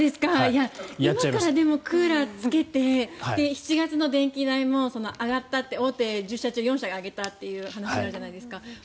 今からでもクーラーつけて７月の電気代も上がったって大手１０社中４社が上げたという話があるじゃないですか。